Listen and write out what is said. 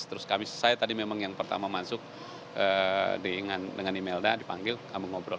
terus kami saya tadi memang yang pertama masuk dengan imelda dipanggil kamu ngobrol